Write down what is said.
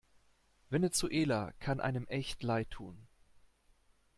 Venezuela kann einem echt leid tun.